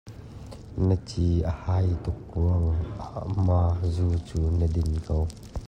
Na ci a hai tuk ruangah ma zu cu na din ko?